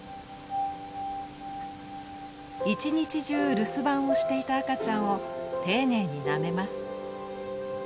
一日中留守番をしていた赤ちゃんを丁寧になめます。